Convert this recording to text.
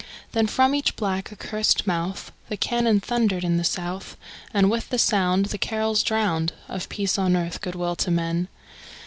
Then from each black, accursed mouth The cannon thundered in the South, And with the sound The carols drowned Of peace on earth, good will to men!